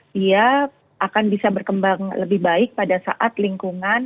dia akan bisa berkembang lebih baik pada saat lingkungan